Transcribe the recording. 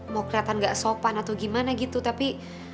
mau kelihatan gak sopan atau gimana gitu tapi